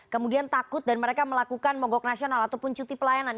kemudian takut dan mereka melakukan mogok nasional ataupun cuti pelayanan